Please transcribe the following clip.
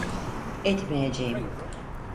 Etmeyeceğim.